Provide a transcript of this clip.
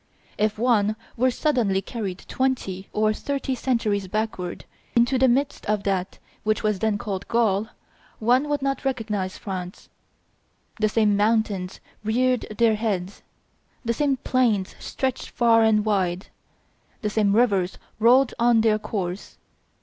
If one were suddenly carried twenty or thirty centuries backward, into the midst of that which was then called Gaul, one would not recognize France. The same mountains reared their heads; the same plains stretched far and wide; the same rivers rolled on their course.